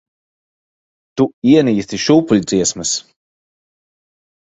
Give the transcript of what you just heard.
Tu ienīsti šūpuļdziesmas.